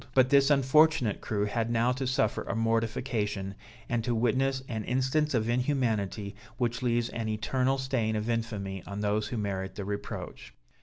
But this unfortunate crew had now to suffer a mortification, and to witness an instance of inhumanity, which leaves an eternal stain of infamy on those who merit the reproach.